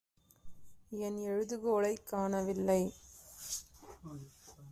என் எழுதுகோலைக் காணவில்லை.